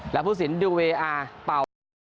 และผู้สินดูเวอาร์เป่าครับ